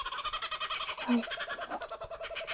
葡萄牙语是莫桑比克的官方语言和通用语言。